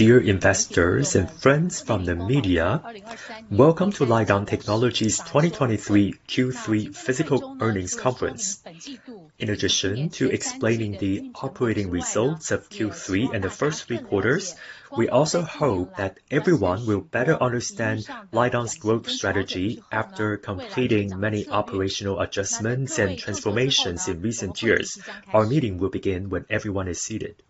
Dear investors and friends from the media, welcome to LITEON Technology's 2023 Q3 Fiscal Earnings Conference. In addition to explaining the operating results of Q3 and the first three quarters, we also hope that everyone will better understand LITEON's growth strategy after completing many operational adjustments and transformations in recent years. Our meeting will begin when everyone is seated.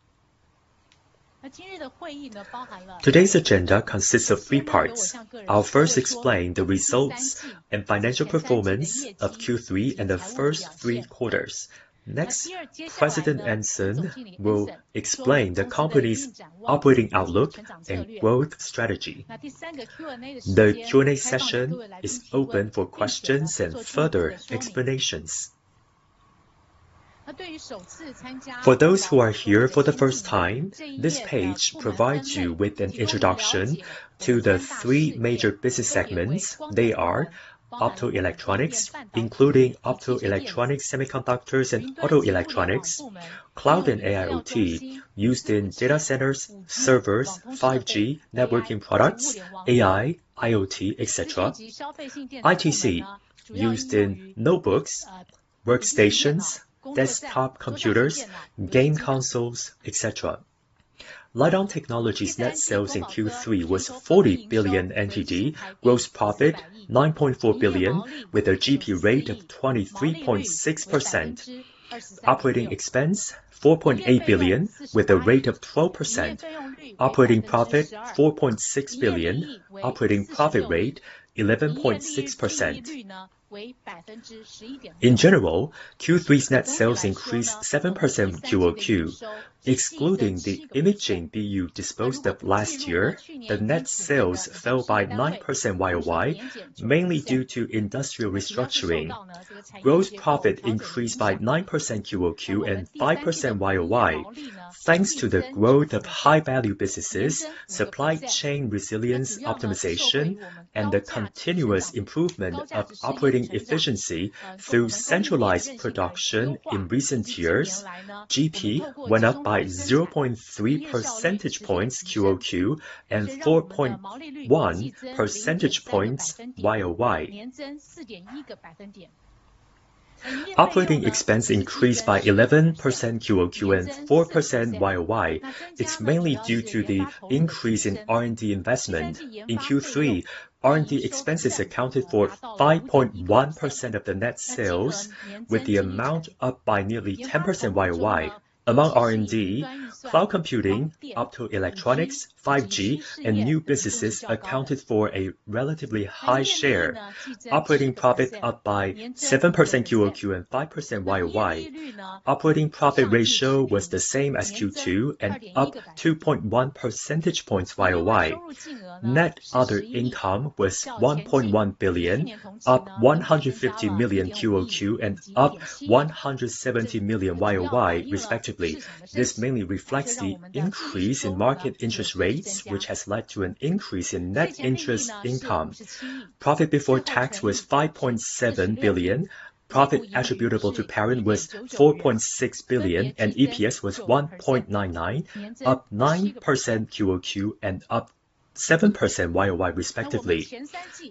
Today's agenda consists of three parts. I'll first explain the results and financial performance of Q3 and the first three quarters. Next, President Anson will explain the company's operating outlook and growth strategy. The Q&A session is open for questions and further explanations. For those who are here for the first time, this page provides you with an introduction to the three major business segments. They are optoelectronics, including optoelectronics, semiconductors, and auto electronics. Cloud and AIoT, used in data centers, servers, 5G networking products, AI, IoT, et cetera. ITC, used in notebooks, workstations, desktop computers, game consoles, et cetera. LITEON Technology's net sales in Q3 was NTD 40 billion. Gross profit, NTD 9.4 billion, with a GP rate of 23.6%. Operating expense, NTD 4.8 billion, with a rate of 12%. Operating profit, NTD 4.6 billion. Operating profit rate, 11.6%. In general, Q3's net sales increased 7% quarter-over-quarter. Excluding the imaging BU disposed of last year, the net sales fell by 9% YoY, mainly due to industrial restructuring. Gross profit increased by 9% QoQ and 5% YoY. Thanks to the growth of high-value businesses, supply chain resilience optimization, and the continuous improvement of operating efficiency through centralized production in recent years, GP went up by 0.3 percentage points QoQ and 4.1 percentage points YoY. Operating expense increased by 11% QoQ and 4% YoY. It's mainly due to the increase in R&D investment. In Q3, R&D expenses accounted for 5.1% of the net sales, with the amount up by nearly 10% YoY. Among R&D, cloud computing, optoelectronics, 5G, and new businesses accounted for a relatively high share. Operating profit up by 7% QoQ and 5% YoY. Operating profit ratio was the same as Q2 and up 2.1 percentage points YoY. Net other income was NTD 1.1 billion, up NTD 150 million QoQ, and up NTD 170 million YoY respectively. This mainly reflects the increase in market interest rates, which has led to an increase in net interest income. Profit before tax was 5.7 billion. Profit attributable to parent was 4.6 billion, and EPS was 1.99, up 9% QoQ and up 7% YoY respectively.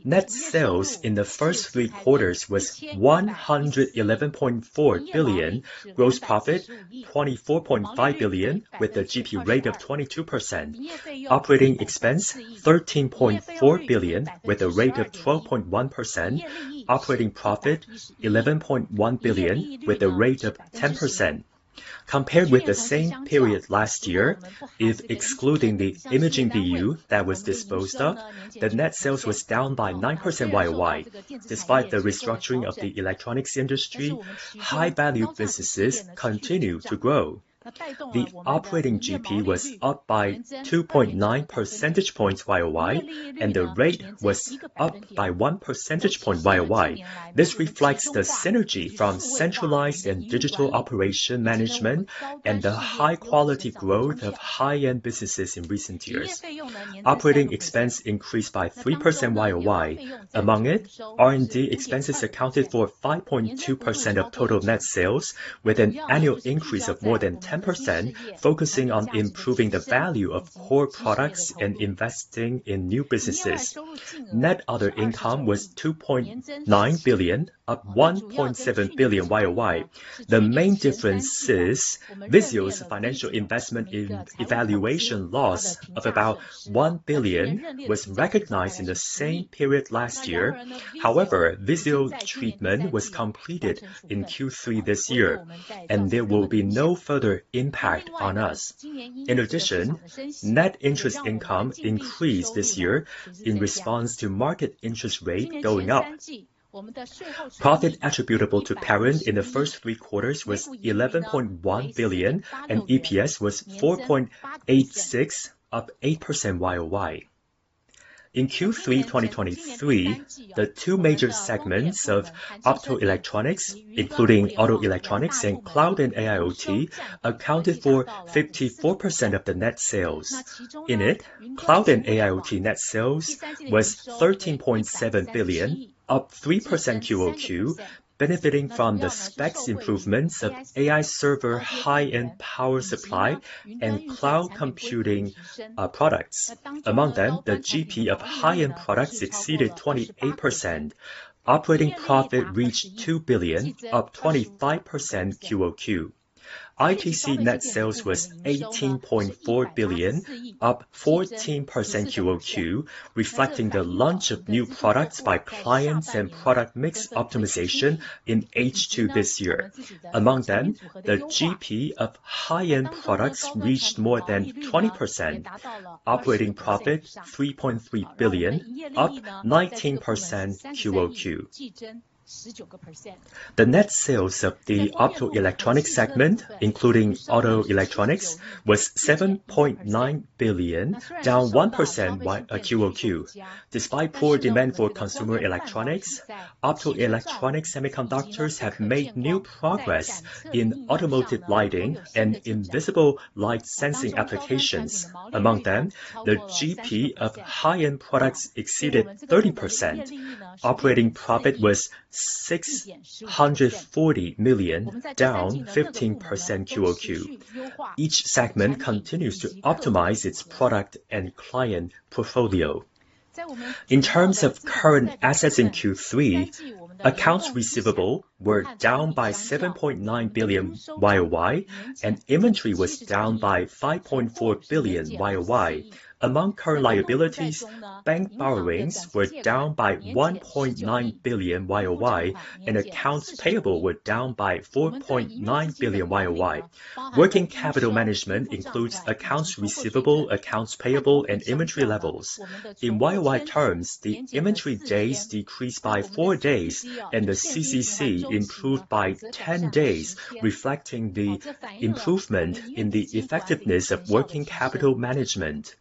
Net sales in the first three quarters was 111.4 billion. Gross profit, 24.5 billion, with a GP rate of 22%. Operating expense, 13.4 billion, with a rate of 12.1%. Operating profit, 11.1 billion, with a rate of 10%. Compared with the same period last year, if excluding the imaging BU that was disposed of, the net sales was down by 9% YoY. Despite the restructuring of the electronics industry, high-value businesses continue to grow. The operating GP was up by 2.9 percentage points YoY, and the rate was up by 1 percentage point YoY. This reflects the synergy from centralized and digital operation management and the high-quality growth of high-end businesses in recent years. Operating expense increased by 3% YoY. Among it, R&D expenses accounted for 5.2% of total net sales, with an annual increase of more than 10%, focusing on improving the value of core products and investing in new businesses. Net other income was 2.9 billion, up 1.7 billion YoY. The main difference is VIZIO's financial investment in valuation loss of about 1 billion was recognized in the same period last year. However, VIZIO treatment was completed in Q3 this year, and there will be no further impact on us. In addition, net interest income increased this year in response to market interest rate going up. Profit attributable to parent in the first three quarters was 11.1 billion, and EPS was NTD 4.86, up 8% year-over-year. In Q3 2023, the two major segments of optoelectronics, including automotive electronics and cloud and AIoT, accounted for 54% of the net sales. In it, cloud and AIoT net sales was 13.7 billion, up 3% quarter-over-quarter, benefiting from the specs improvements of AI server high-end power supply and cloud computing products. Among them, the GP of high-end products exceeded 28%. Operating profit reached 2 billion, up 25% quarter-over-quarter. ITC net sales was 18.4 billion, up 14% quarter-over-quarter, reflecting the launch of new products by clients and product mix optimization in H2 this year. Among them, the GP of high-end products reached more than 20%, operating profit 3.3 billion, up 19% QoQ. The net sales of the optoelectronic segment, including auto electronics, was 7.9 billion, down 1% YoY. Despite poor demand for consumer electronics, optoelectronic semiconductors have made new progress in automotive lighting and invisible light sensing applications. Among them, the GP of high-end products exceeded 30%. Operating profit was 640 million, down 15% QoQ. Each segment continues to optimize its product and client portfolio. In terms of current assets in Q3, accounts receivable were down by 7.9 billion YoY, and inventory was down by 5.4 billion YoY. Among current liabilities, bank borrowings were down by 1.9 billion YoY, and accounts payable were down by 4.9 billion YoY. Working capital management includes accounts receivable, accounts payable, and inventory levels. In YoY terms, the inventory days decreased by fourdays, and the CCC improved by 10 days, reflecting the improvement in the effectiveness of working capital management.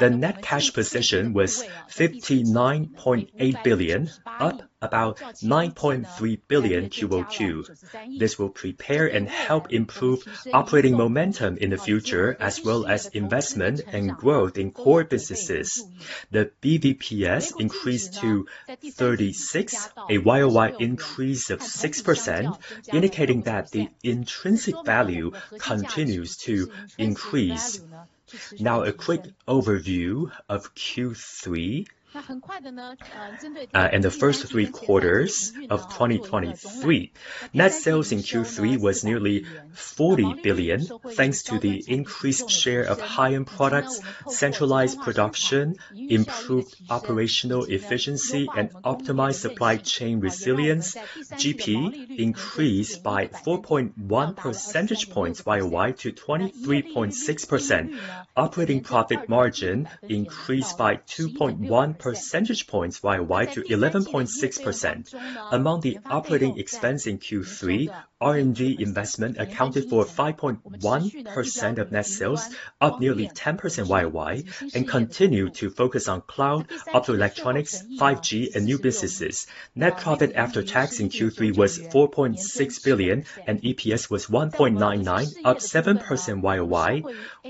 The net cash position was NTD 59.8 billion, up about NTD 9.3 billion QoQ. This will prepare and help improve operating momentum in the future, as well as investment and growth in core businesses. The BVPS increased to 36, a YoY increase of 6%, indicating that the intrinsic value continues to increase. Now, a quick overview of Q3 and the first three quarters of 2023. Net sales in Q3 was nearly NTD 40 billion, thanks to the increased share of high-end products, centralized production, improved operational efficiency, and optimized supply chain resilience. GP increased by 4.1 percentage points YoY to 23.6%. Operating profit margin increased by 2.1 percentage points YOY to 11.6%. Among the operating expense in Q3, R&D investment accounted for 5.1% of net sales, up nearly 10% YOY, and continued to focus on cloud, optoelectronics, 5G, and new businesses. Net profit after tax in Q3 was NTD 4.6 billion, and EPS was NTD 1.99, up 7% YOY.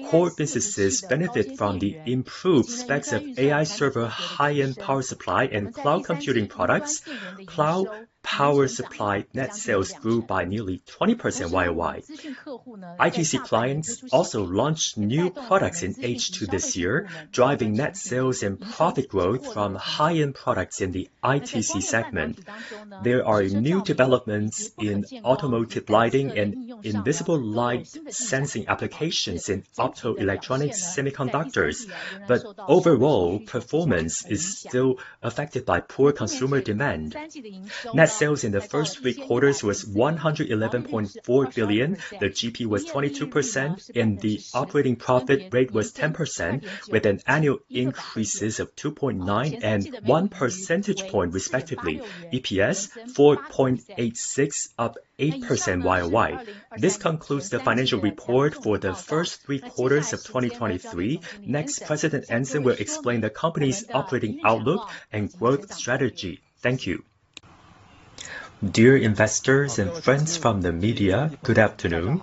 Core businesses benefit from the improved specs of AI server, high-end power supply, and cloud computing products. Cloud power supply net sales grew by nearly 20% YOY. ITC clients also launched new products in H2 this year, driving net sales and profit growth from high-end products in the ITC segment. There are new developments in automotive lighting and invisible light sensing applications in optoelectronic semiconductors, but overall performance is still affected by poor consumer demand. Net sales in the first three quarters was 111.4 billion, the GP was 22%, and the operating profit rate was 10%, with annual increases of 2.9 and 1 percentage point, respectively. EPS NTD 4.86, up 8% YOY. This concludes the financial report for the first three quarters of 2023. Next, President Anson will explain the company's operating outlook and growth strategy. Thank you. Dear investors and friends from the media, good afternoon.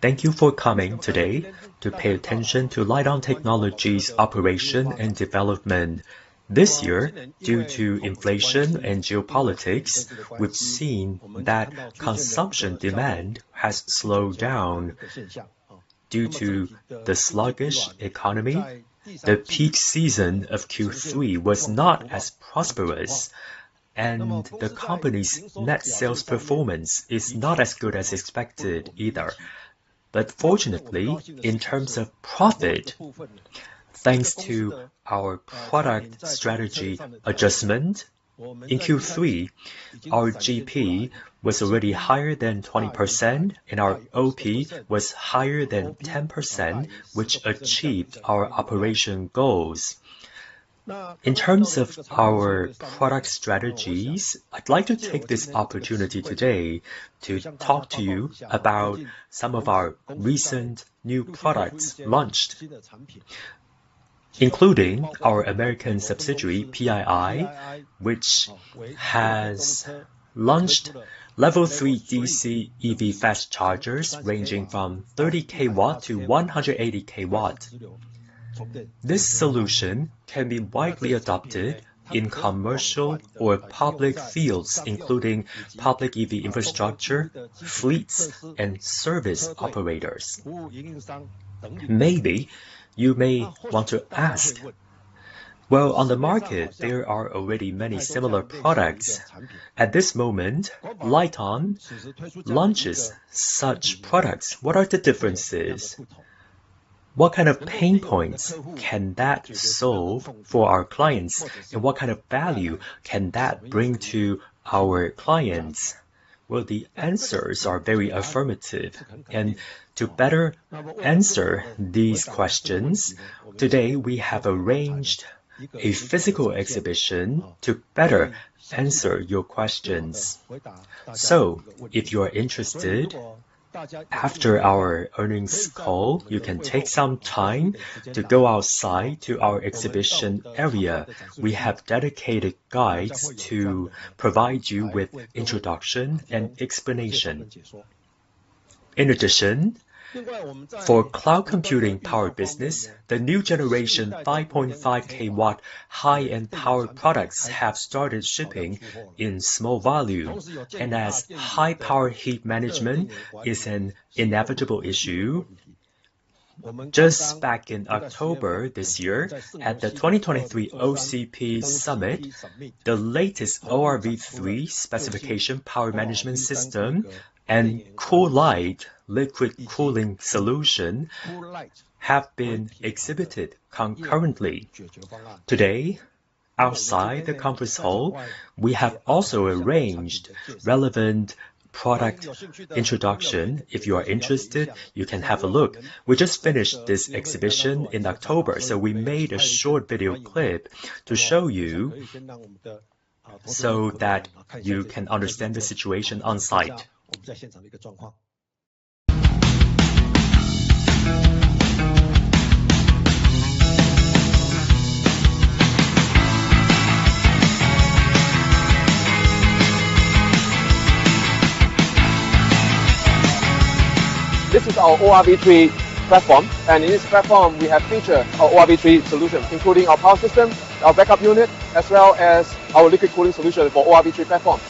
Thank you for coming today to pay attention to LITEON Technology's operation and development. This year, due to inflation and geopolitics, we've seen that consumption demand has slowed down. Due to the sluggish economy, the peak season of Q3 was not as prosperous, and the company's net sales performance is not as good as expected either. But fortunately, in terms of profit, thanks to our product strategy adjustment, in Q3, our GP was already higher than 20% and our OP was higher than 10%, which achieved our operation goals. In terms of our product strategies, I'd like to take this opportunity today to talk to you about some of our recent new products launched... including our American subsidiary, PII, which has launched Level 3 DC EV fast chargers ranging from 30kW-180kW. This solution can be widely adopted in commercial or public fields, including public EV infrastructure, fleets, and service operators. Maybe you may want to ask, well, on the market, there are already many similar products. At this moment, LITEON launches such products. What are the differences? What kind of pain points can that solve for our clients, and what kind of value can that bring to our clients? Well, the answers are very affirmative, and to better answer these questions, today, we have arranged a physical exhibition to better answer your questions. So if you are interested, after our earnings call, you can take some time to go outside to our exhibition area. We have dedicated guides to provide you with introduction and explanation. In addition, for cloud computing power business, the new generation 5.5kW high-end power products have started shipping in small volume, and as high-power heat management is an inevitable issue, just back in October this year, at the 2023 OCP Summit, the latest ORV3 specification power management system and COOLITE liquid cooling solution have been exhibited concurrently. Today, outside the conference hall, we have also arranged relevant product introduction. If you are interested, you can have a look. We just finished this exhibition in October, so we made a short video clip to show you, so that you can understand the situation on site. This is our ORV3 platform, and in this platform, we have featured our ORV3 solution, including our power system, our backup unit, as well as our liquid cooling solution for ORV3 platform.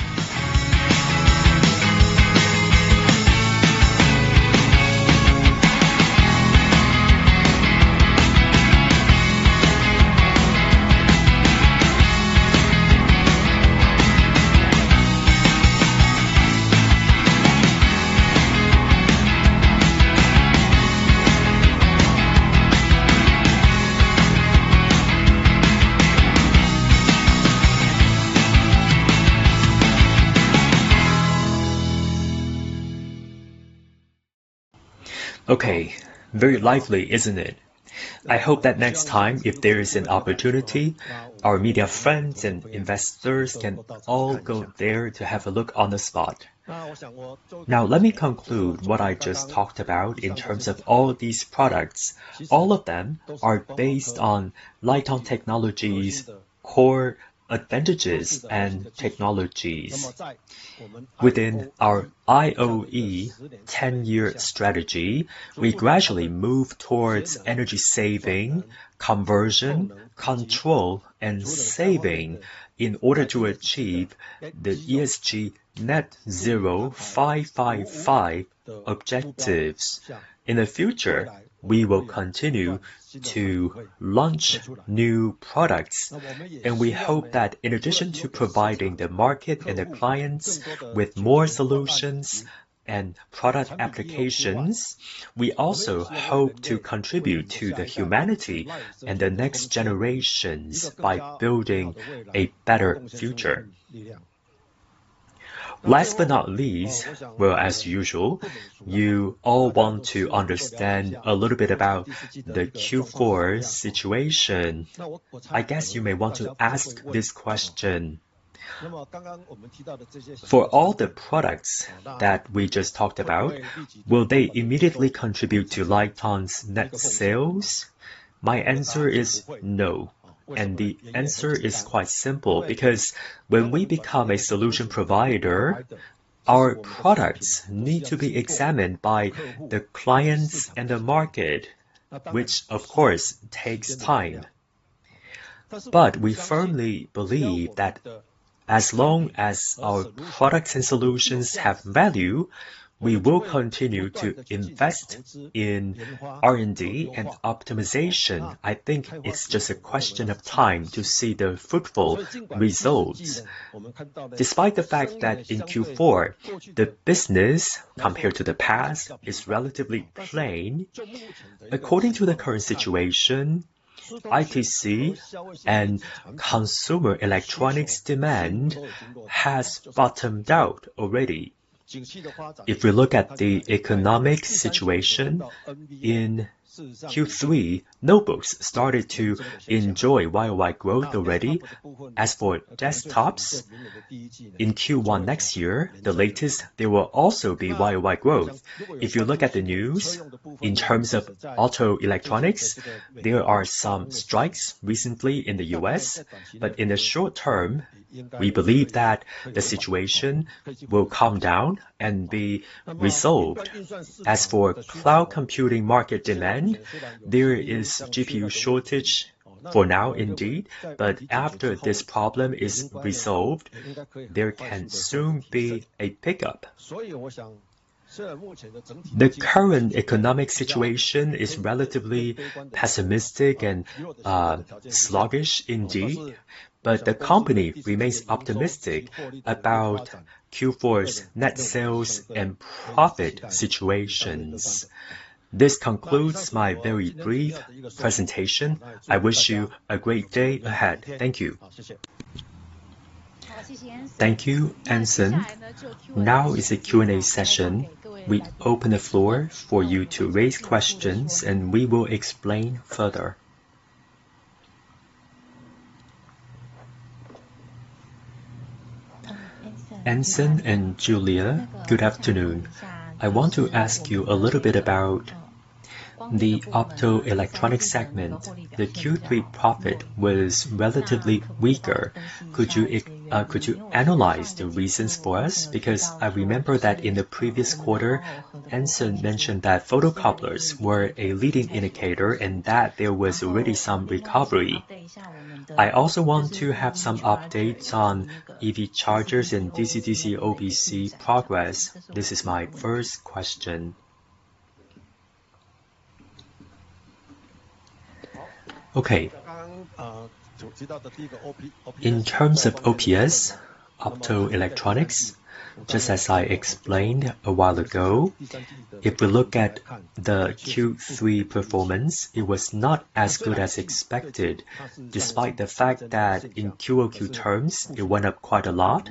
Okay, very lively, isn't it? I hope that next time, if there is an opportunity, our media friends and investors can all go there to have a look on the spot. Now, let me conclude what I just talked about in terms of all these products. All of them are based on LITEON technologies, core advantages, and technologies. Within our IoE ten-year strategy, we gradually move towards energy saving, conversion, control, and saving in order to achieve the ESG net zero five-five-five objectives. In the future, we will continue to launch new products, and we hope that in addition to providing the market and the clients with more solutions and product applications, we also hope to contribute to the humanity and the next generations by building a better future. Last but not least, well, as usual, you all want to understand a little bit about the Q4 situation. I guess you may want to ask this question: For all the products that we just talked about, will they immediately contribute to LITEON's net sales? My answer is no, and the answer is quite simple, because when we become a solution provider, our products need to be examined by the clients and the market, which of course, takes time. But we firmly believe that as long as our products and solutions have value, we will continue to invest in R&D and optimization. I think it's just a question of time to see the fruitful results. Despite the fact that in Q4, the business, compared to the past, is relatively plain, according to the current situation, ITC and consumer electronics demand has bottomed out already. If we look at the economic situation in Q3, notebooks started to enjoy YoY growth already. As for desktops, in Q1 next year, the latest, there will also be YoY growth. If you look at the news, in terms of auto electronics, there are some strikes recently in the U.S., but in the short term, we believe that the situation will calm down and be resolved. As for cloud computing market demand, there is GPU shortage for now indeed, but after this problem is resolved, there can soon be a pickup. The current economic situation is relatively pessimistic and sluggish indeed, but the company remains optimistic about Q4's net sales and profit situations. This concludes my very brief presentation. I wish you a great day ahead. Thank you. Thank you, Anson. Now is the Q&A session. We open the floor for you to raise questions, and we will explain further. Anson and Julia, good afternoon. I want to ask you a little bit about the optoelectronic segment. The Q3 profit was relatively weaker. Could you, could you analyze the reasons for us? Because I remember that in the previous quarter, Anson mentioned that photocouplers were a leading indicator and that there was already some recovery. I also want to have some updates on EV chargers and DC-DC OBC progress. This is my first question. Okay. In terms of OPS, optoelectronics, just as I explained a while ago, if we look at the Q3 performance, it was not as good as expected, despite the fact that in QoQ terms, it went up quite a lot,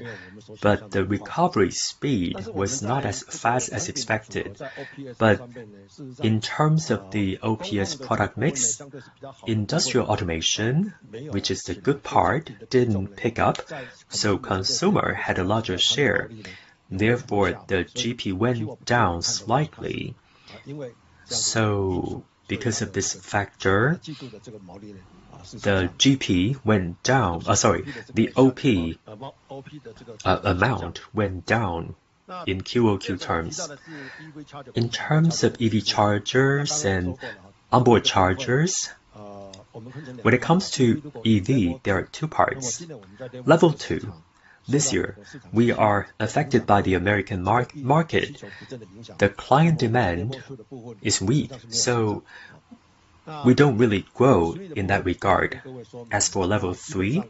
but the recovery speed was not as fast as expected. But in terms of the OPS product mix, industrial automation, which is the good part, didn't pick up, so consumer had a larger share. Therefore, the GP went down slightly. So because of this factor, the GP went down. The OP amount went down in QoQ terms. In terms of EV chargers and onboard chargers, when it comes to EV, there are two parts. Level 2, this year, we are affected by the American market. The client demand is weak, so we don't really grow in that regard. As for Level 3,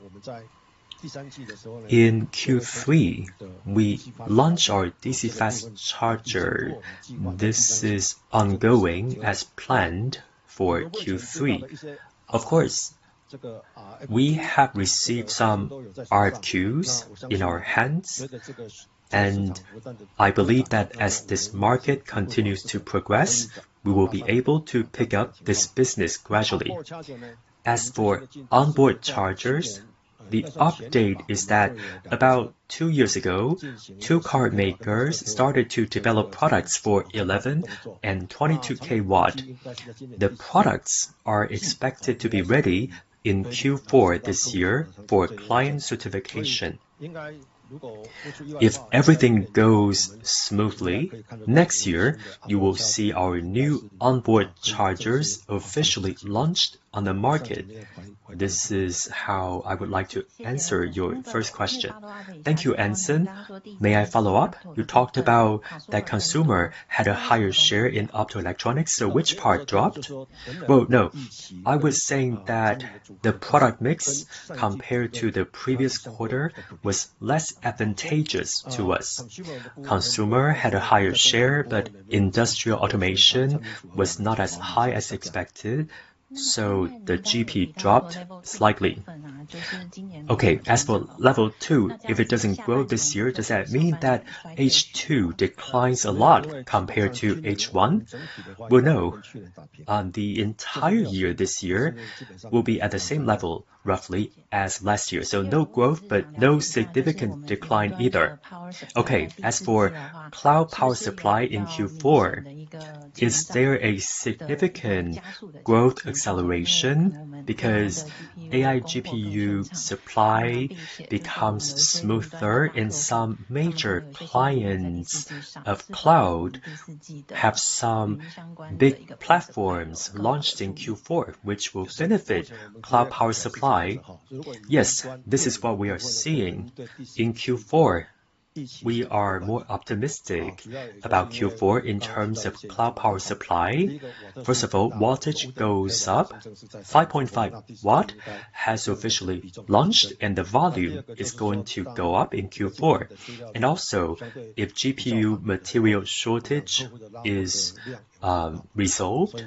in Q3, we launched our DC fast charger. This is ongoing as planned for Q3. Of course, we have received some RFQs in our hands, and I believe that as this market continues to progress, we will be able to pick up this business gradually. As for onboard chargers, the update is that about two years ago, two car makers started to develop products for 11kW and 22kW. The products are expected to be ready in Q4 this year for client certification. If everything goes smoothly, next year, you will see our new onboard chargers officially launched on the market. This is how I would like to answer your first question. Thank you, Anson. May I follow up? You talked about that consumer had a higher share in optoelectronics, so which part dropped? Well, no. I was saying that the product mix, compared to the previous quarter, was less advantageous to us. Consumer had a higher share, but industrial automation was not as high as expected, so the GP dropped slightly. Okay. As for Level 2, if it doesn't grow this year, does that mean that H2 declines a lot compared to H1? Well, no. The entire year this year will be at the same level, roughly, as last year. So no growth, but no significant decline either. Okay. As for cloud power supply in Q4, is there a significant growth acceleration? Because AI GPU supply becomes smoother, and some major clients of cloud have some big platforms launched in Q4, which will benefit cloud power supply. Yes, this is what we are seeing in Q4. We are more optimistic about Q4 in terms of cloud power supply. First of all, wattage goes up. 5.5W has officially launched, and the volume is going to go up in Q4. And also, if GPU material shortage is resolved,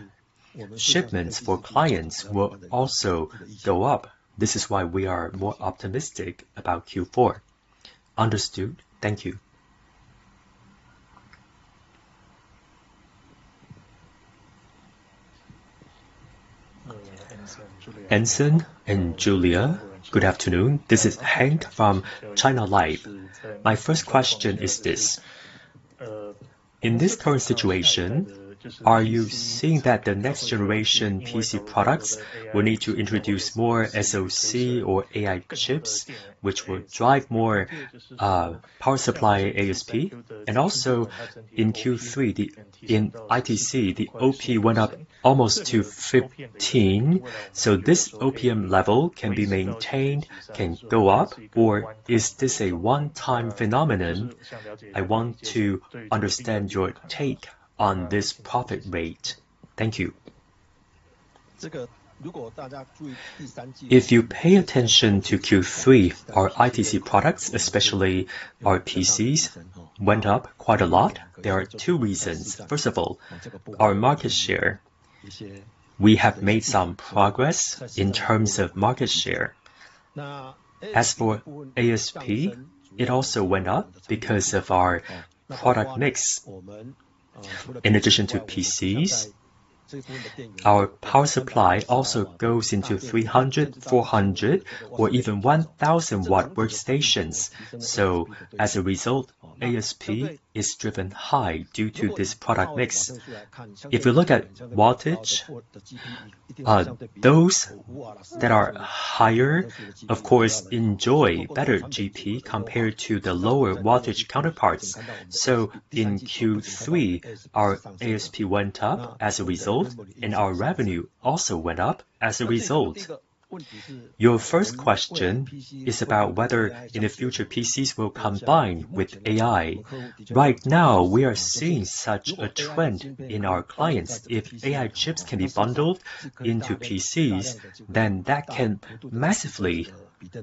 shipments for clients will also go up. This is why we are more optimistic about Q4. Understood. Thank you. Anson and Julia, good afternoon. This is Hank from China Life. My first question is this: In this current situation, are you seeing that the next generation PC products will need to introduce more SoC or AI chips, which will drive more power supply ASP? Also, in Q3, in ITC, the OP went up almost to 15, so this OPM level can be maintained, can go up, or is this a one-time phenomenon? I want to understand your take on this profit rate. Thank you. If you pay attention to Q3, our ITC products, especially our PCs, went up quite a lot. There are two reasons. First of all, our market share. We have made some progress in terms of market share. As for ASP, it also went up because of our product mix. In addition to PCs, our power supply also goes into 300W, 400W or even 1,000W workstations. So as a result, ASP is driven high due to this product mix. If you look at wattage, those that are higher, of course, enjoy better GP compared to the lower wattage counterparts. So in Q3, our ASP went up as a result, and our revenue also went up as a result. Your first question is about whether in the future, PCs will combine with AI. Right now, we are seeing such a trend in our clients. If AI chips can be bundled into PCs, then that can massively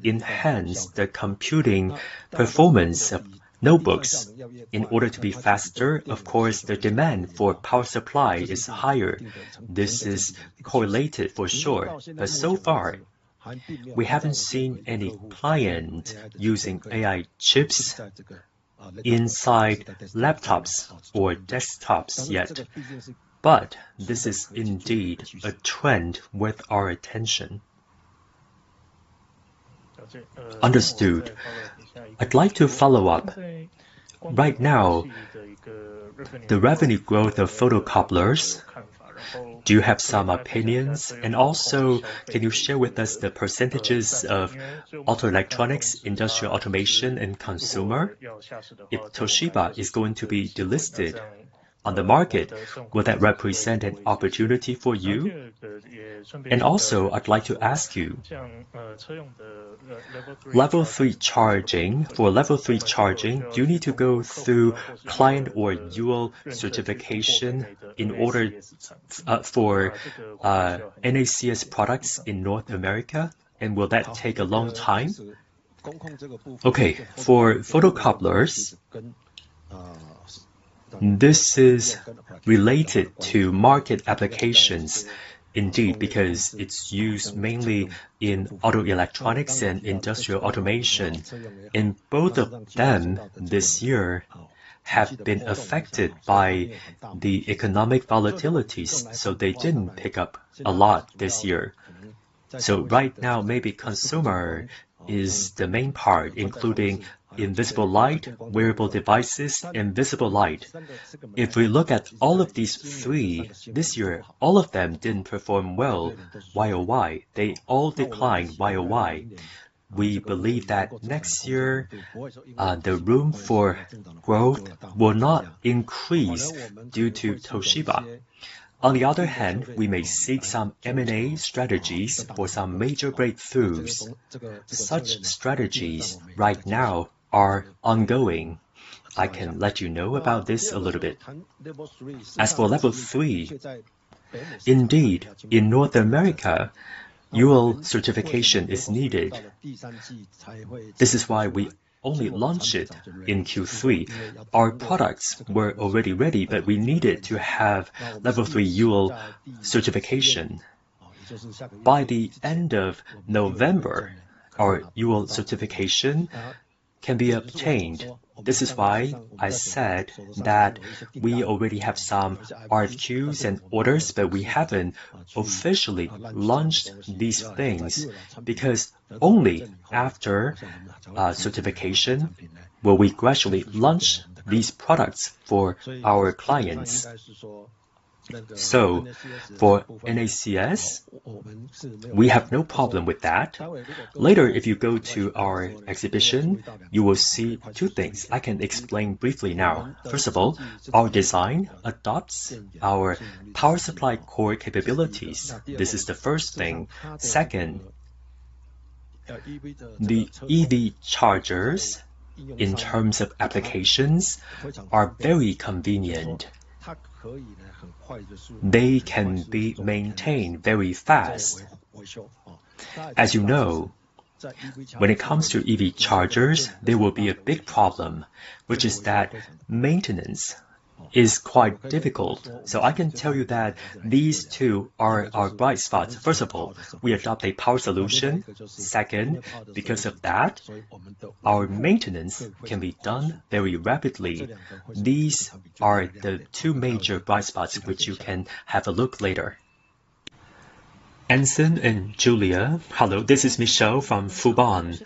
enhance the computing performance of notebooks. In order to be faster, of course, the demand for power supply is higher. This is correlated for sure, but so far, we haven't seen any client using AI chips inside laptops or desktops yet. But this is indeed a trend with our attention. Understood. I'd like to follow up. Right now, the revenue growth of photocouplers, do you have some opinions? Also, can you share with us the percentages of auto electronics, industrial automation, and consumer? If Toshiba is going to be delisted on the market, will that represent an opportunity for you? And also I'd like to ask you, Level 3 charging. For Level 3 charging, do you need to go through client or UL certification in order for NACS products in North America, and will that take a long time? For photocouplers, this is related to market applications indeed, because it's used mainly in auto electronics and industrial automation, and both of them this year have been affected by the economic volatilities, so they didn't pick up a lot this year. Right now, maybe consumer is the main part, including invisible light, wearable devices, invisible light. If we look at all of these three this year, all of them didn't perform well YoY. They all declined YoY. We believe that next year, the room for growth will not increase due to Toshiba. On the other hand, we may seek some M&A strategies for some major breakthroughs. Such strategies right now are ongoing. I can let you know about this a little bit. As for Level 3, indeed, in North America, UL certification is needed. This is why we only launched it in Q3. Our products were already ready, but we needed to have Level 3 UL certification. By the end of November, our UL certification can be obtained. This is why I said that we already have some RFQs and orders, but we haven't officially launched these things, because only after certification will we gradually launch these products for our clients. So for NACS, we have no problem with that. Later, if you go to our exhibition, you will see two things. I can explain briefly now. First of all, our design adopts our power supply core capabilities. This is the first thing. Second, the EV chargers, in terms of applications, are very convenient. They can be maintained very fast. As you know, when it comes to EV chargers, there will be a big problem, which is that maintenance is quite difficult. So I can tell you that these two are our bright spots. First of all, we adopt a power solution. Second, because of that, our maintenance can be done very rapidly. These are the two major bright spots which you can have a look at later. Anson and Julia, hello, this is Michelle from Fubon.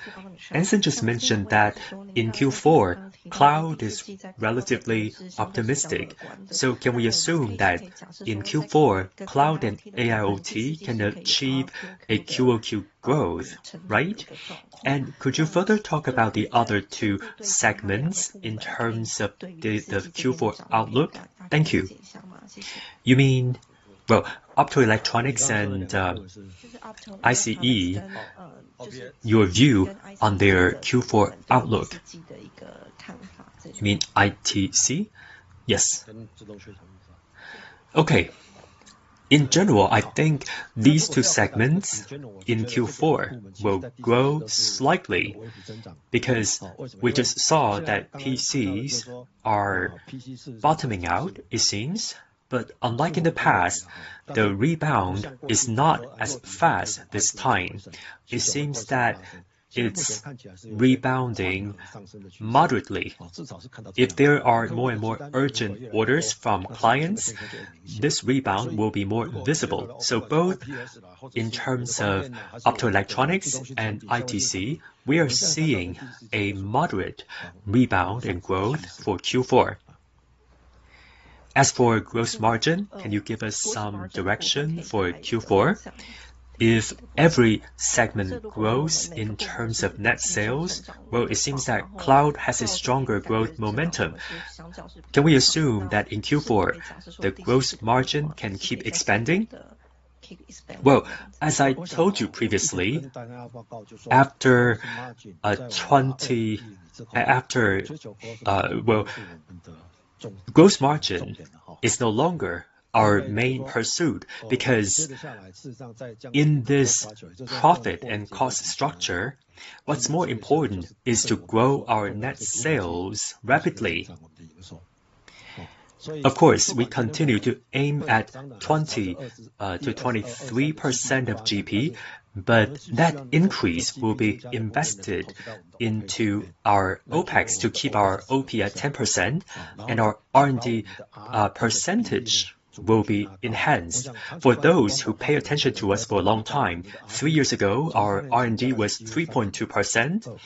Anson just mentioned that in Q4, cloud is relatively optimistic. So can we assume that in Q4, cloud and AIoT can achieve a QoQ growth, right? And could you further talk about the other two segments in terms of the Q4 outlook? Thank you. You mean, well, optoelectronics and ITC, your view on their Q4 outlook. You mean ITC? Yes. Okay. In general, I think these two segments in Q4 will grow slightly because we just saw that PCs are bottoming out, it seems. But unlike in the past, the rebound is not as fast this time. It seems that it's rebounding moderately. If there are more and more urgent orders from clients, this rebound will be more visible. So both in terms of optoelectronics and ITC, we are seeing a moderate rebound and growth for Q4. As for gross margin, can you give us some direction for Q4? If every segment grows in terms of net sales, well, it seems that cloud has a stronger growth momentum. Can we assume that in Q4, the gross margin can keep expanding? Well, as I told you previously, after a 20, after, gross margin is no longer our main pursuit, because in this profit and cost structure, what's more important is to grow our net sales rapidly. Of course, we continue to aim at 20%-23% of GP, but that increase will be invested into our OpEx to keep our OP at 10%, and our R&D percentage will be enhanced. For those who pay attention to us for a long time, three years ago, our R&D was 3.2%,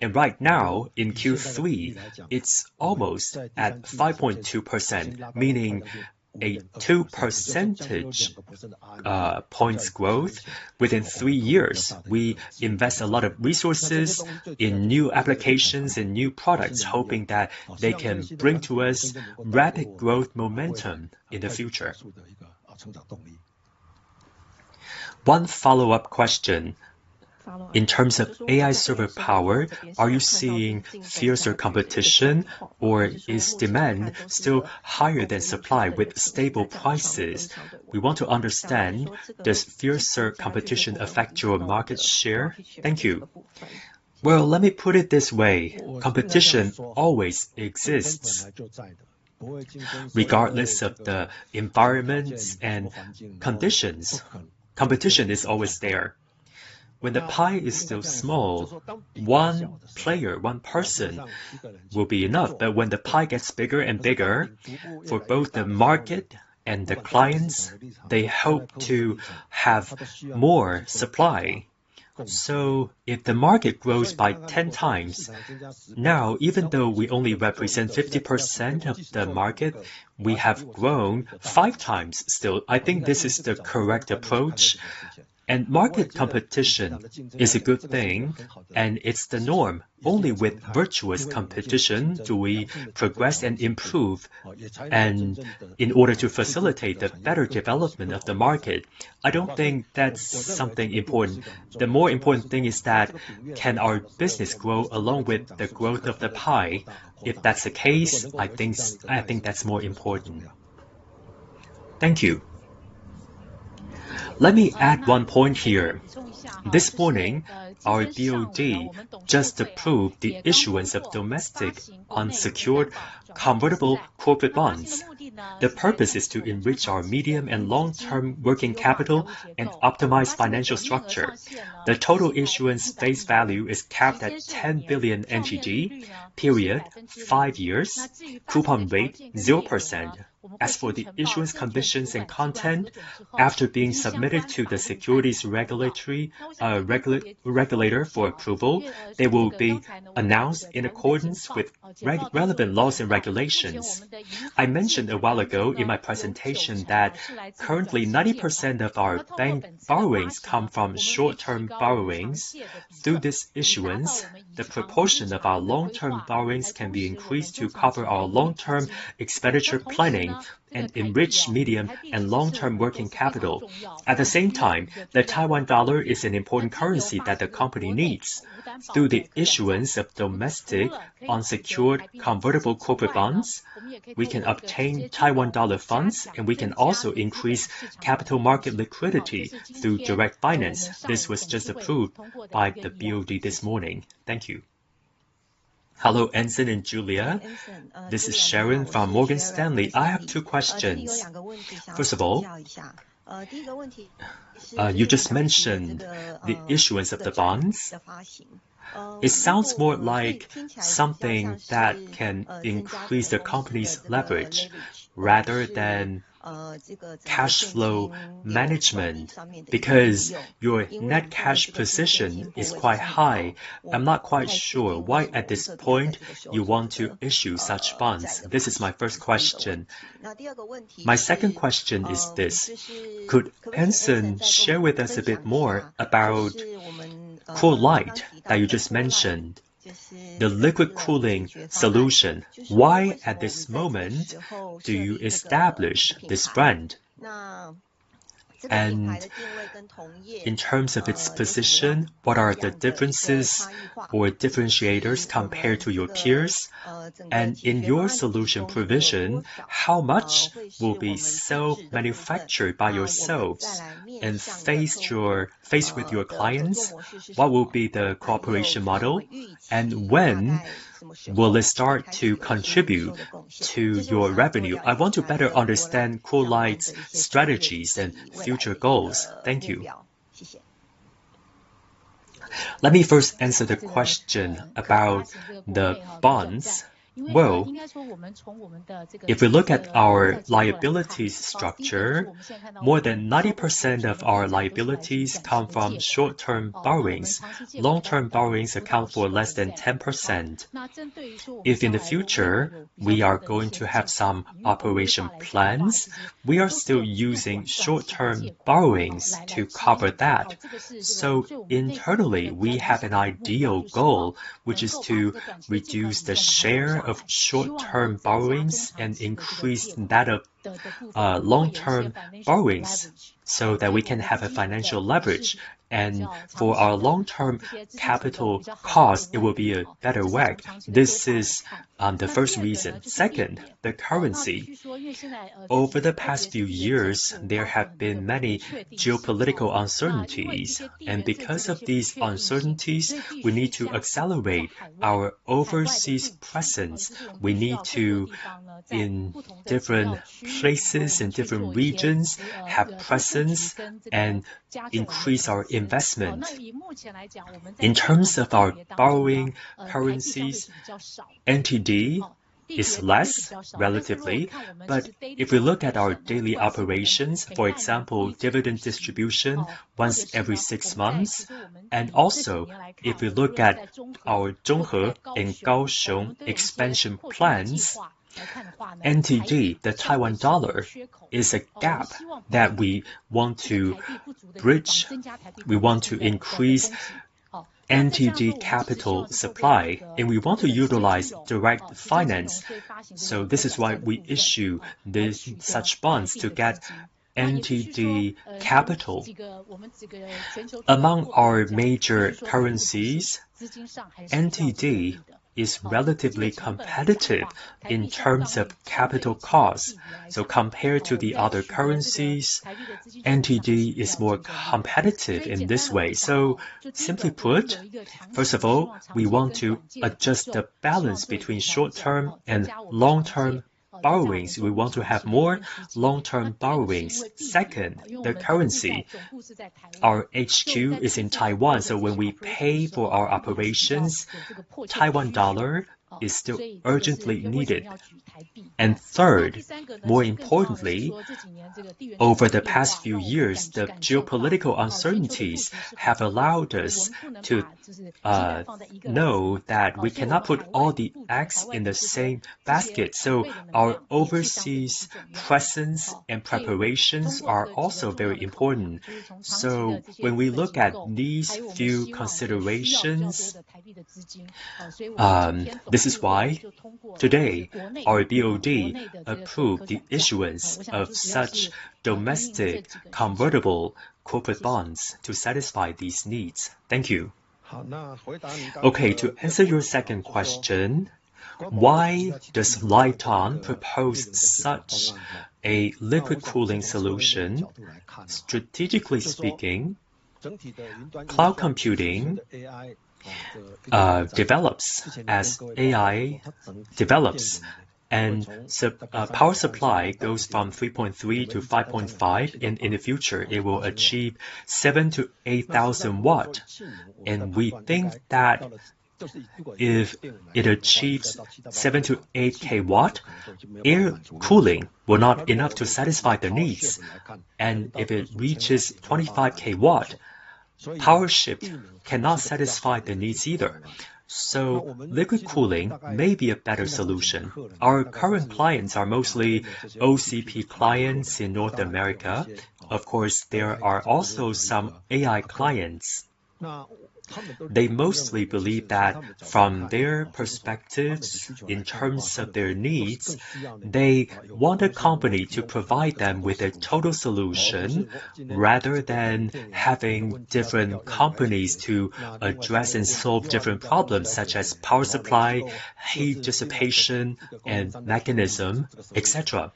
and right now, in Q3, it's almost at 5.2%, meaning a 2 percentage points growth. Within three years, we invest a lot of resources in new applications and new products, hoping that they can bring to us rapid growth momentum in the future. One follow-up question. In terms of AI server power, are you seeing fiercer competition, or is demand still higher than supply with stable prices? We want to understand, does fiercer competition affect your market share? Thank you. Well, let me put it this way, competition always exists. Regardless of the environments and conditions, competition is always there. When the pie is still small, one player, one person will be enough, but when the pie gets bigger and bigger, for both the market and the clients, they hope to have more supply. So if the market grows by 10 times, now, even though we only represent 50% of the market, we have grown five times still. I think this is the correct approach, and market competition is a good thing, and it's the norm. Only with virtuous competition do we progress and improve, and in order to facilitate the better development of the market, I don't think that's something important. The more important thing is that, can our business grow along with the growth of the pie? If that's the case, I think I think that's more important. Thank you. Let me add one point here. This morning, our BOD just approved the issuance of domestic unsecured convertible corporate bonds. The purpose is to enrich our medium and long-term working capital and optimize financial structure. The total issuance face value is capped at NTD 10 billion, five years, coupon rate 0%. As for the issuance conditions and content, after being submitted to the securities regulator for approval, they will be announced in accordance with relevant laws and regulations. I mentioned a while ago in my presentation that currently, 90% of our bank borrowings come from short-term borrowings. Through this issuance, the proportion of our long-term borrowings can be increased to cover our long-term expenditure planning and enrich medium and long-term working capital. At the same time, the Taiwan dollar is an important currency that the company needs. Through the issuance of domestic unsecured convertible corporate bonds, we can obtain Taiwan dollar funds, and we can also increase capital market liquidity through direct finance. This was just approved by the BOD this morning. Thank you. Hello, Anson and Julia. This is Sharon from Morgan Stanley. I have two questions. First of all, you just mentioned the issuance of the bonds. It sounds more like something that can increase the company's leverage rather than cash flow management. Because your net cash position is quite high, I'm not quite sure why, at this point, you want to issue such bonds. This is my first question. My second question is this: Could Anson share with us a bit more about COOLITE that you just mentioned, the liquid cooling solution? Why, at this moment, do you establish this brand? And in terms of its position, what are the differences or differentiators compared to your peers? And in your solution provision, how much will be so manufactured by yourselves and face-to-face with your clients? What will be the cooperation model, and when will it start to contribute to your revenue? I want to better understand COOLITE's strategies and future goals. Thank you. Let me first answer the question about the bonds. Well, if we look at our liabilities structure, more than 90% of our liabilities come from short-term borrowings. Long-term borrowings account for less than 10%. If in the future we are going to have some operation plans, we are still using short-term borrowings to cover that. So internally, we have an ideal goal, which is to reduce the share of short-term borrowings and increase that of long-term borrowings, so that we can have a financial leverage. And for our long-term capital costs, it will be a better way. This is the first reason. Second, the currency. Over the past few years, there have been many geopolitical uncertainties, and because of these uncertainties, we need to accelerate our overseas presence. We need to, in different places and different regions, have presence and increase our investment. In terms of our borrowing currencies, NTD is less relatively, but if we look at our daily operations, for example, dividend distribution once every six months, and also if we look at our Zhonghe and Kaohsiung expansion plans, NTD, the Taiwan dollar, is a gap that we want to bridge. We want to increase NTD capital supply, and we want to utilize direct finance, so this is why we issue this, such bonds to get NTD capital. Among our major currencies, NTD is relatively competitive in terms of capital costs. So compared to the other currencies, NTD is more competitive in this way. So simply put, first of all, we want to adjust the balance between short-term and long-term borrowings. We want to have more long-term borrowings. Second, the currency. Our HQ is in Taiwan, so when we pay for our operations, Taiwan dollar is still urgently needed. And third, more importantly, over the past few years, the geopolitical uncertainties have allowed us to know that we cannot put all the eggs in the same basket, so our overseas presence and preparations are also very important. So when we look at these few considerations, this is why today our BOD approved the issuance of such domestic convertible corporate bonds to satisfy these needs. Thank you. Okay, to answer your second question: Why does LITEON propose such a liquid cooling solution? Strategically speaking, cloud computing develops as AI develops, and so, power supply goes from 3.3kW to 5.5kW, and in the future, it will achieve 7000W-8000W. And we think that if it achieves 7kW-8kW, air cooling will not enough to satisfy the needs. If it reaches 25kW, power supply cannot satisfy the needs either. So liquid cooling may be a better solution. Our current clients are mostly OCP clients in North America. Of course, there are also some AI clients. They mostly believe that from their perspectives, in terms of their needs, they want a company to provide them with a total solution, rather than having different companies to address and solve different problems, such as power supply, heat dissipation, and mechanism, etc.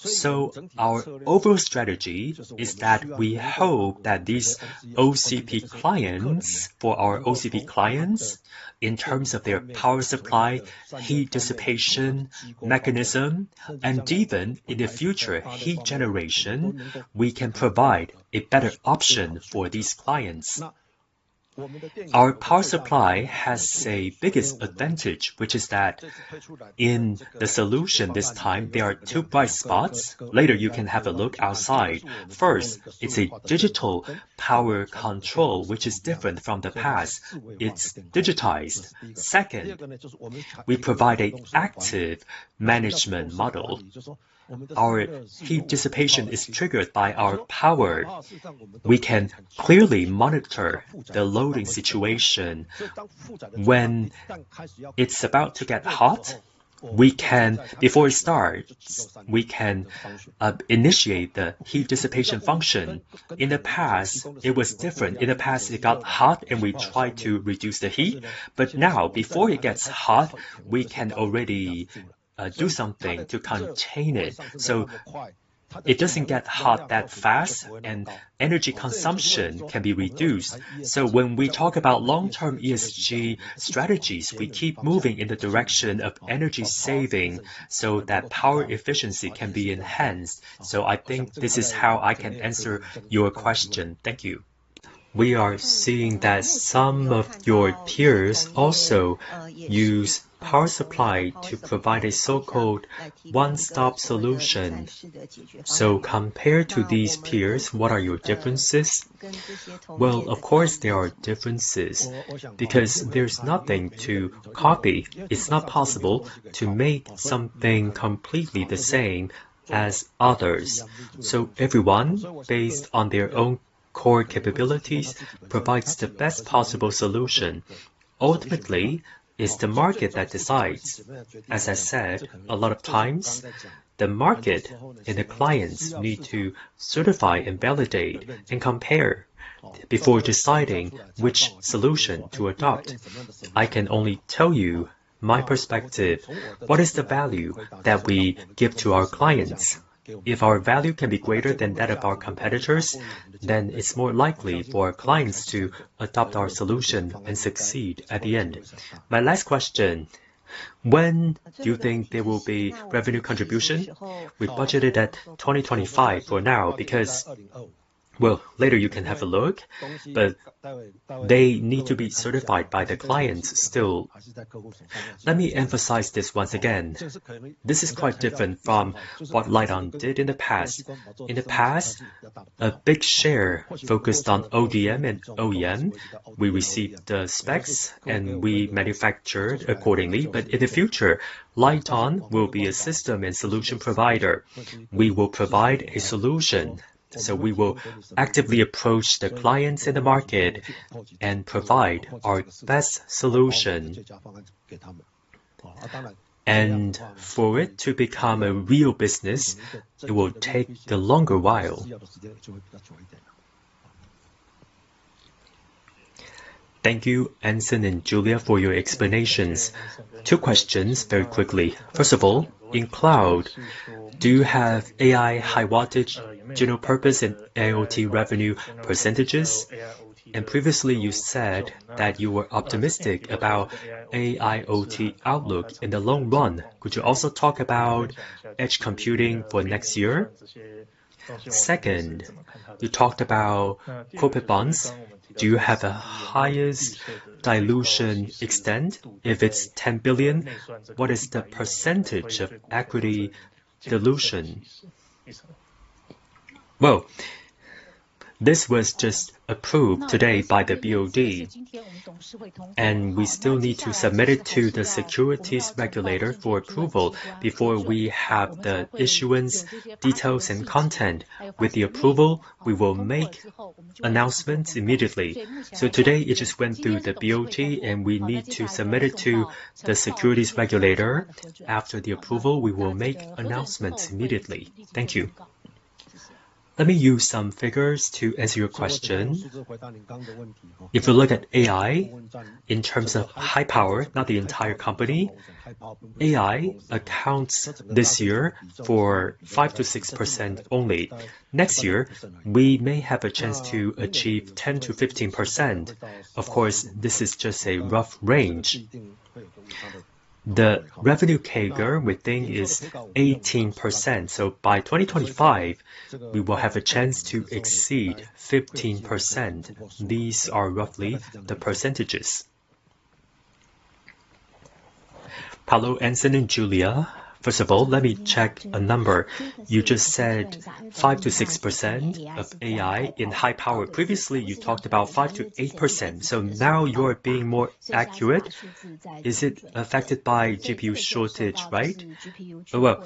So our overall strategy is that we hope that these OCP clients, for our OCP clients, in terms of their power supply, heat dissipation, mechanism, and even in the future, heat generation, we can provide a better option for these clients.... Our power supply has a biggest advantage, which is that in the solution this time, there are two bright spots. Later, you can have a look outside. First, it's a digital power control, which is different from the past. It's digitized. Second, we provide an active management model. Our heat dissipation is triggered by our power. We can clearly monitor the loading situation. When it's about to get hot, we can, before it starts, we can initiate the heat dissipation function. In the past, it was different. In the past, it got hot, and we tried to reduce the heat, but now, before it gets hot, we can already do something to contain it, so it doesn't get hot that fast, and energy consumption can be reduced. So when we talk about long-term ESG strategies, we keep moving in the direction of energy saving so that power efficiency can be enhanced. So I think this is how I can answer your question. Thank you. We are seeing that some of your peers also use power supply to provide a so-called one-stop solution. So compared to these peers, what are your differences? Well, of course, there are differences because there's nothing to copy. It's not possible to make something completely the same as others, so everyone, based on their own core capabilities, provides the best possible solution. Ultimately, it's the market that decides. As I said, a lot of times, the market and the clients need to certify and validate and compare before deciding which solution to adopt. I can only tell you my perspective, what is the value that we give to our clients? If our value can be greater than that of our competitors, then it's more likely for our clients to adopt our solution and succeed at the end. My last question: When do you think there will be revenue contribution? We budgeted at 2025 for now, because... Well, later you can have a look, but they need to be certified by the clients still. Let me emphasize this once again. This is quite different from what LITEON did in the past. In the past, a big share focused on ODM and OEM. We received the specs, and we manufactured accordingly. But in the future, LITEON will be a system and solution provider. We will provide a solution, so we will actively approach the clients in the market and provide our best solution. And for it to become a real business, it will take a longer while. Thank you, Anson and Julia, for your explanations. Two questions very quickly. First of all, in cloud, do you have AI, high voltage, general purpose, and IoT revenue percentages? And previously, you said that you were optimistic about AIoT outlook in the long run. Could you also talk about edge computing for next year? Second, you talked about corporate bonds. Do you have the highest dilution extent? If it's NTD 10 billion, what is the percentage of equity dilution? Well, this was just approved today by the BOD, and we still need to submit it to the securities regulator for approval before we have the issuance, details, and content. With the approval, we will make announcements immediately. So today it just went through the BOD, and we need to submit it to the securities regulator. After the approval, we will make announcements immediately. Thank you. Let me use some figures to answer your question. If you look at AI in terms of high power, not the entire company, AI accounts this year for 5%-6% only. Next year, we may have a chance to achieve 10%-15%. Of course, this is just a rough range. The revenue CAGR, we think, is 18%, so by 2025, we will have a chance to exceed 15%. These are roughly the percentages. Hello, Anson and Julia. First of all, let me check a number. You just said 5%-6% of AI in high power. Previously, you talked about 5%-8%, so now you're being more accurate. Is it affected by GPU shortage, right? Well,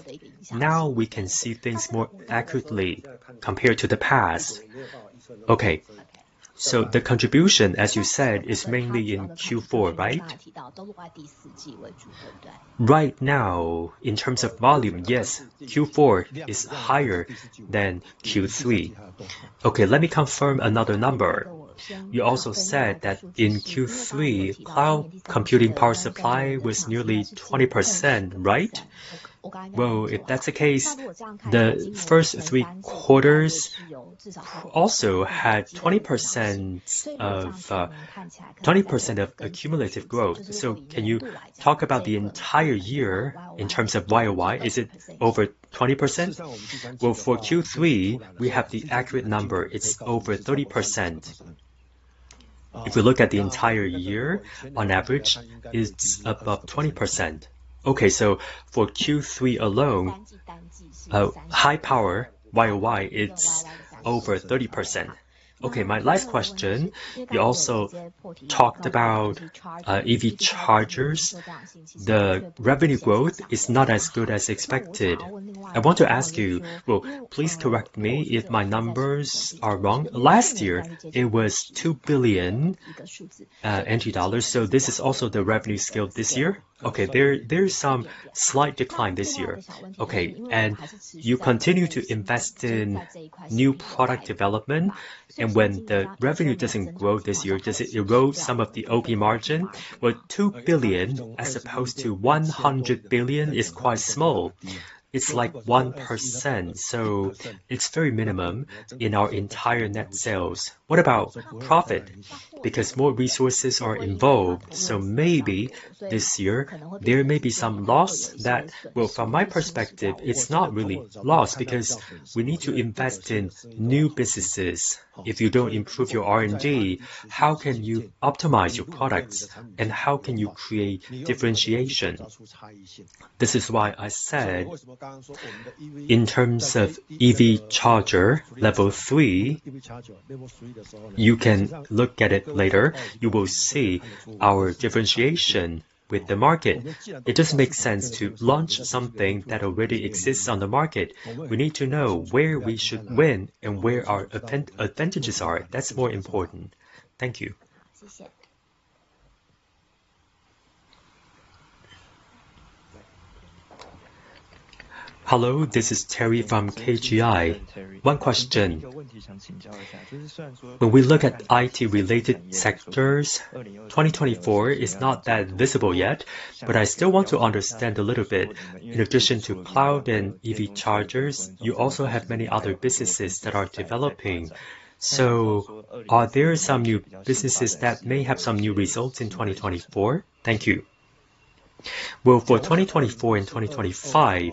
now we can see things more accurately compared to the past. Okay. So the contribution, as you said, is mainly in Q4, right? Right now, in terms of volume, yes, Q4 is higher than Q3. Okay, let me confirm another number. You also said that in Q3, cloud computing power supply was nearly 20%, right? Well, if that's the case, the first three quarters also had 20% accumulative growth. So can you talk about the entire year in terms of YOY? Is it over 20%? Well, for Q3, we have the accurate number. It's over 30%.... If we look at the entire year, on average, it's above 20%. Okay, so for Q3 alone, high power, YOY, it's over 30%. Okay, my last question, you also talked about EV chargers. The revenue growth is not as good as expected. I want to ask you... Well, please correct me if my numbers are wrong. Last year, it was NTD 2 billion, so this is also the revenue scale this year. Okay, there is some slight decline this year. Okay, and you continue to invest in new product development, and when the revenue doesn't grow this year, does it erode some of the OP margin? Well, NTD 2 billion as opposed to NTD 100 billion is quite small. It's like 1%, so it's very minimum in our entire net sales. What about profit? Because more resources are involved, so maybe this year there may be some loss that. Well, from my perspective, it's not really loss because we need to invest in new businesses. If you don't improve your R&D, how can you optimize your products, and how can you create differentiation? This is why I said, in terms of EV charger Level 3, you can look at it later. You will see our differentiation with the market. It doesn't make sense to launch something that already exists on the market. We need to know where we should win and where our advantages are. That's more important. Thank you. Hello, this is Terry from KGI. One question. When we look at IT-related sectors, 2024 is not that visible yet, but I still want to understand a little bit. In addition to cloud and EV chargers, you also have many other businesses that are developing. So are there some new businesses that may have some new results in 2024? Thank you. Well, for 2024 and 2025,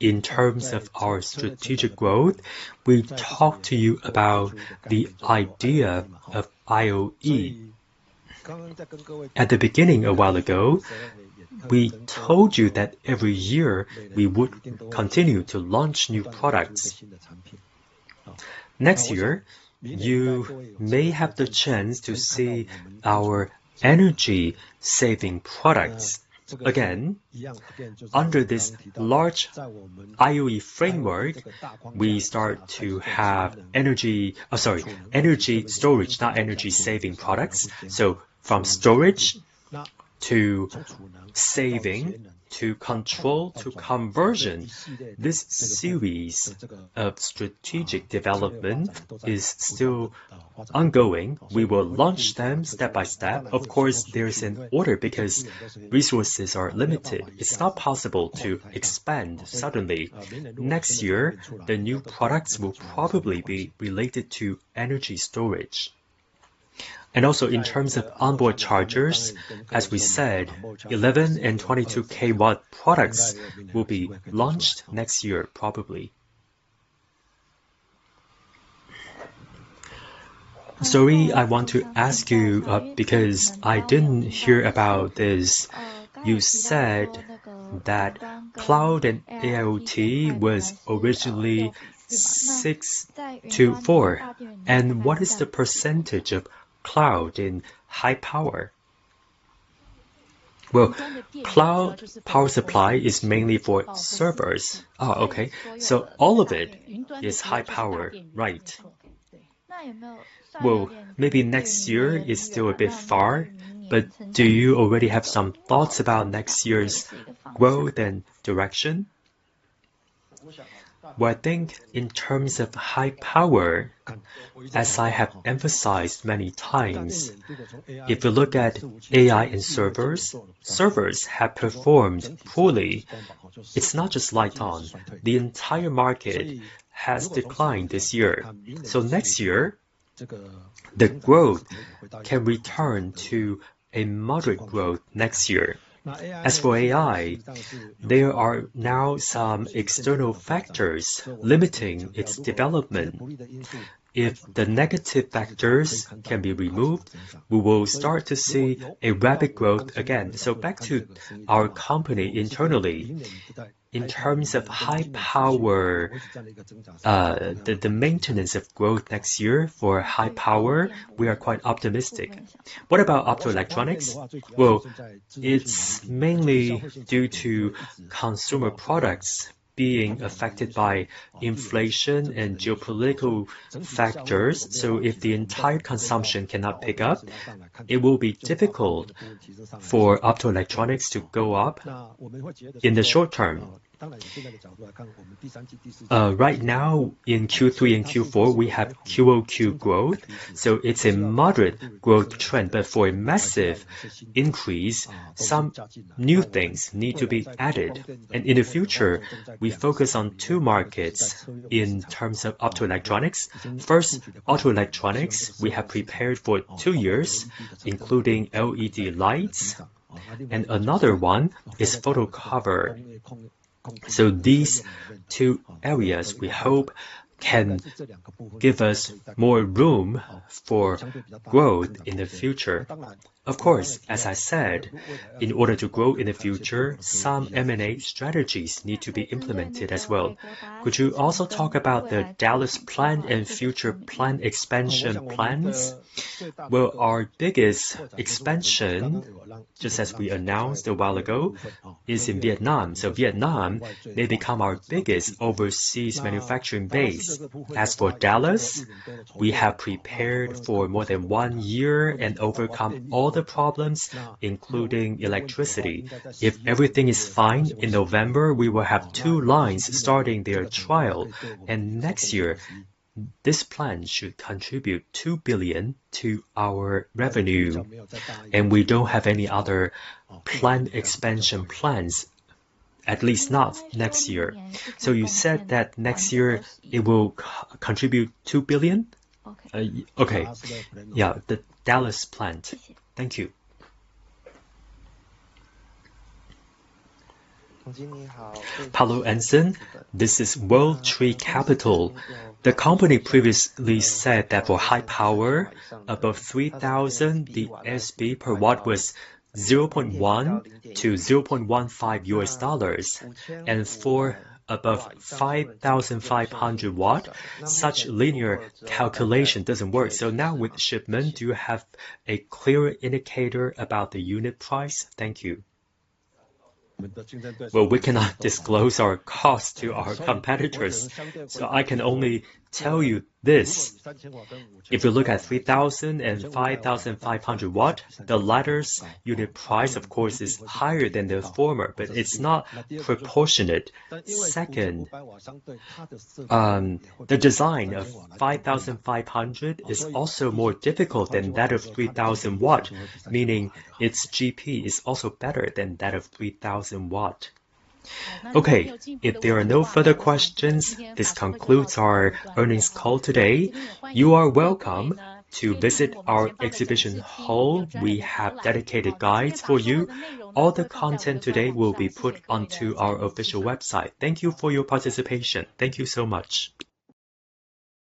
in terms of our strategic growth, we've talked to you about the idea of IoE. At the beginning, a while ago, we told you that every year we would continue to launch new products. Next year, you may have the chance to see our energy-saving products. Again, under this large IoE framework, we start to have energy...Oh, sorry, energy storage, not energy-saving products. So from storage, to saving, to control, to conversion, this series of strategic development is still ongoing. We will launch them step by step. Of course, there's an order because resources are limited. It's not possible to expand suddenly. Next year, the new products will probably be related to energy storage. And also in terms of onboard chargers, as we said, 11kW and 22kW products will be launched next year, probably. Sorry, I want to ask you, because I didn't hear about this. You said that cloud and AIoT was originally 60%-40%, and what is the percentage of cloud in high power? Well, cloud power supply is mainly for servers. Oh, okay. So all of it is high power? Right. Well, maybe next year is still a bit far, but do you already have some thoughts about next year's growth and direction? Well, I think in terms of high power, as I have emphasized many times, if you look at AI and servers, servers have performed poorly. It's not just LITEON. The entire market has declined this year. So next year, the growth can return to a moderate growth next year. As for AI, there are now some external factors limiting its development. If the negative factors can be removed, we will start to see a rapid growth again. So back to our company internally, in terms of high power, the maintenance of growth next year for high power, we are quite optimistic. What about optoelectronics? Well, it's mainly due to consumer products being affected by inflation and geopolitical factors. So if the entire consumption cannot pick up, it will be difficult for optoelectronics to go up in the short term. Right now, in Q3 and Q4, we have QoQ growth, so it's a moderate growth trend, but for a massive increase, some new things need to be added. And in the future, we focus on two markets in terms of optoelectronics. First, auto electronics, we have prepared for two years, including LED lights.... And another one is photocoupler. So these two areas we hope can give us more room for growth in the future. Of course, as I said, in order to grow in the future, some M&A strategies need to be implemented as well. Could you also talk about the Dallas plant and future plan expansion plans? Well, our biggest expansion, just as we announced a while ago, is in Vietnam. So Vietnam, they become our biggest overseas manufacturing base. As for Dallas, we have prepared for more than one year and overcome all the problems, including electricity. If everything is fine, in November, we will have two lines starting their trial, and next year, this plant should contribute NTD 2 billion to our revenue, and we don't have any other expansion plans, at least not next year. You said that next year it will contribute NTD 2 billion? Okay. Yeah, the Dallas plant. Thank you. Pablo Anson, this is World Tree Capital. The company previously said that for high power, above 3,000, the SP per watt was $0.1-$0.15, and for above 5,500W, such linear calculation doesn't work. Now with shipment, do you have a clear indicator about the unit price? Thank you. Well, we cannot disclose our cost to our competitors, so I can only tell you this: if you look at 3,000W and 5,500W, the latter's unit price, of course, is higher than the former, but it's not proportionate. Second, the design of 5,500W is also more difficult than that of 3,000W, meaning its GP is also better than that of 3,000W. Okay. If there are no further questions, this concludes our earnings call today. You are welcome to visit our exhibition hall. We have dedicated guides for you. All the content today will be put onto our official website. Thank you for your participation. Thank you so much.